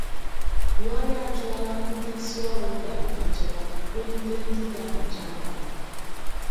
Buhari Achụọla Ndị Isi Ọrụ Ngalaba Nchekwa, Kpọlite Ndị Ga-Anọchi Anya Ha